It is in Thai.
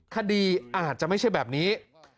คดีอาจจะไม่ใช่แบบนี้